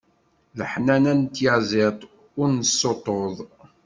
Leḥnana n tyaziḍt, ur nessuṭṭuḍ.